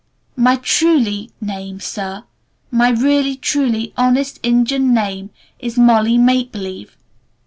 My truly name, Sir, my really, truly, honest injun name is 'Molly Make Believe'.